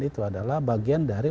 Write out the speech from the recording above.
itu adalah bagian dari